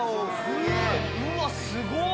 うわっすごっ！